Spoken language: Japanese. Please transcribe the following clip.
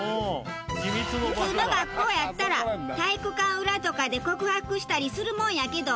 普通の学校やったら体育館裏とかで告白したりするもんやけど。